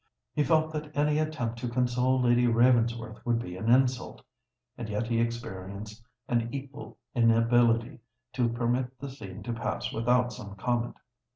He felt that any attempt to console Lady Ravensworth would be an insult; and yet he experienced an equal inability to permit the scene to pass without some comment.